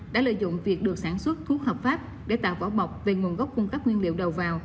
đã lợi dụng việc được sản xuất thuốc hợp pháp để tạo vỏ bọc về nguồn gốc cung cấp nguyên liệu đầu vào